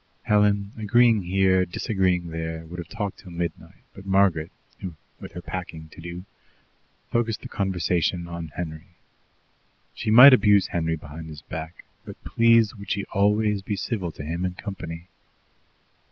Helen, agreeing here, disagreeing there, would have talked till midnight, but Margaret, with her packing to do, focussed the conversation on Henry. She might abuse Henry behind his back, but please would she always, be civil to him in company?